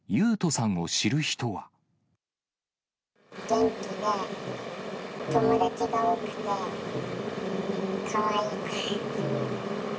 元気で、友達が多くて、かわいい子。